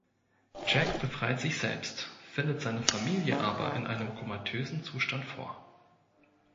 Jack befreit sich selbst, findet seine Familie aber in einem komatösen Zustand vor.